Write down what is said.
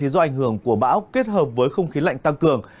do ảnh hưởng của bão kết hợp với không khí lạnh tăng cường